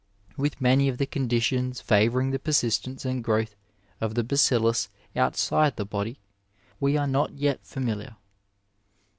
With many of the conditions favouring the persistence and growth of the bacillus outside the body we are not yet familiar.